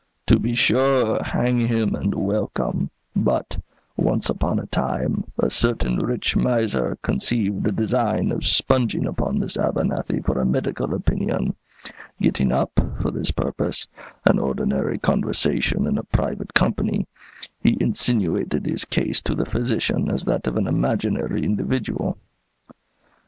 "To be sure! hang him and welcome. But, once upon a time, a certain rich miser conceived the design of sponging upon this Abernethy for a medical opinion. Getting up, for this purpose, an ordinary conversation in a private company, he insinuated his case to the physician as that of an imaginary individual.